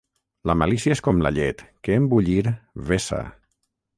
La malícia és com la llet, que, en bullir, vessa.